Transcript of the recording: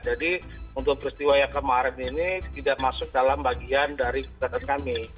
jadi untuk peristiwa yang kemarin ini tidak masuk dalam bagian dari catatan kami